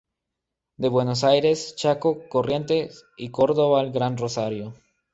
De Buenos Aires, Chaco, Corrientes y Córdoba al Gran Rosario.